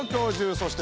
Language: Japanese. そして。